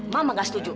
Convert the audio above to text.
mama gak setuju